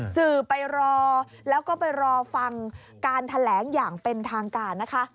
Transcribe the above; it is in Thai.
สื่อไปรอแล้วก็ไปรอฟังการแถลงอย่างเป็นทางการนะคะ